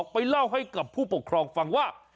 ไปเล่าให้กับผู้ปกครองฟังว่า